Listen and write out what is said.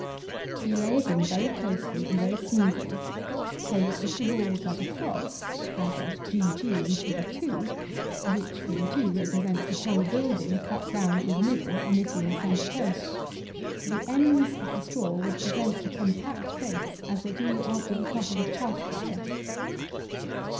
You lay it in very closely and very smoothly, so that if the wall were cut across, as at g g, in FIG. 2 (which FIG. 2 represents the whole building cut down through the middle, omitting the centre post,) the ends of the straws would present a compact face as they do after a cut of a chaff cutter.